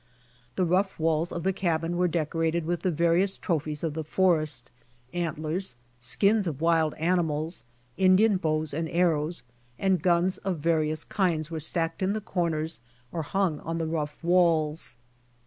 The rough walls of the cabin were decorated with the various trophies of the forest, antlers, skins of wild animals, Indian bows and arrows, and guns of various kinds were stacked in the corners or hung on. the rough walls.